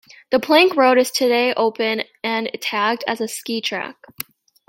The Plank Road is today open and tagged as a ski track.